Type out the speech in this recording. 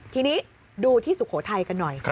ทีนี้ดูที่สุโขทัยกันหน่อย